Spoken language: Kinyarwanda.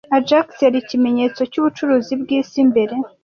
Ajax yari ikimenyetso cyubucuruzi bwisi mbere